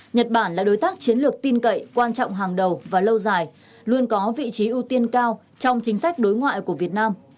nhật bản là đối tác chiến lược tin cậy quan trọng hàng đầu và lâu dài luôn có vị trí ưu tiên cao trong chính sách đối ngoại của việt nam